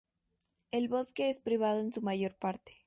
El bosque es privado en su mayor parte.